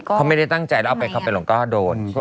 เขาไม่ได้ตั้งใจแล้วเอาไปเขาไปหลงก็โดน